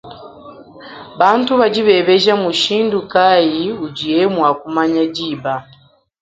Bantu badi badiebeja mushindu kay udiye zenga bwa kumanya diba?